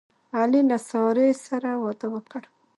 علي له سارې سره واده وکړ.